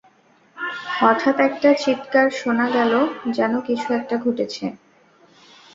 হঠাত একটা চিৎকার শোনা গেল যেন কিছু একটা ঘটেছে।